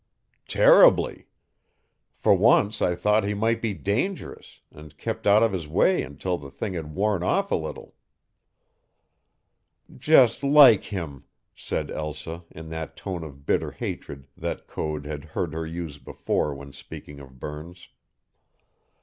"Terribly. For once I thought he might be dangerous and kept out of his way until the thing had worn off a little." "Just like him," said Elsa in that tone of bitter hatred that Code had heard her use before when speaking of Burns.